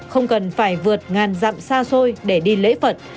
không cần phải vượt ngàn dặm xa xôi để đi lễ phật